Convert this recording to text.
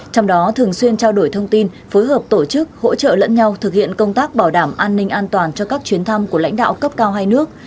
trong đó thường xuyên trao đổi thông tin phối hợp tổ chức hỗ trợ lẫn nhau thực hiện công tác bảo đảm an ninh an toàn cho các chuyến thăm của lãnh đạo cấp cao hai nước